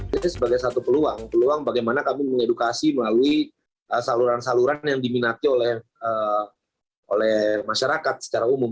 ini sebagai satu peluang peluang bagaimana kami mengedukasi melalui saluran saluran yang diminati oleh masyarakat secara umum